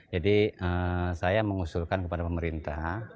jadi saya mengusulkan kepada pemerintah